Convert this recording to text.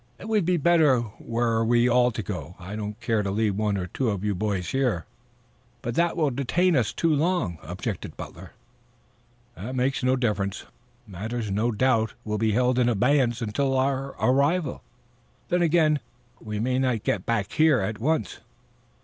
"It would be better were we all to go. I don't care to leave one or two of you boys here." "But that will detain us too long," objected Butler. "That makes no difference. Matters no doubt will be held in abeyance until our arrival. Then, again, we may not get back here at once."